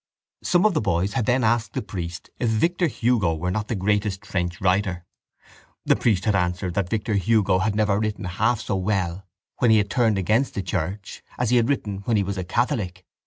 Some of the boys had then asked the priest if Victor Hugo were not the greatest French writer. The priest had answered that Victor Hugo had never written half so well when he had turned against the church as he had written when he was a catholic.